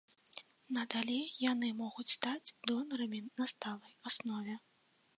Надалей яны могуць стаць донарамі на сталай аснове.